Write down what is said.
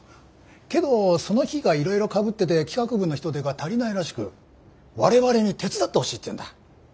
けどその日がいろいろかぶってて企画部の人手が足りないらしく我々に手伝ってほしいっていうんだ。